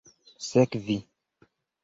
sekvi